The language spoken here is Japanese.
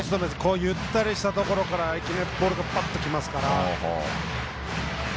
ゆったりしたところからボールがいきなりきますから。